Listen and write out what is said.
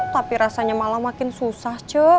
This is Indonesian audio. tapi rasanya malah makin susah cuk